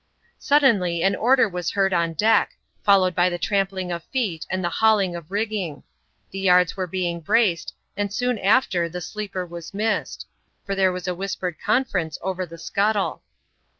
Suddenly an order was heard on deck, followed by the trampling of feet and the hauling of rigging. The yards were being braced, and soon after the sleeper was missed ; for there was a whispered conference over the scuttle.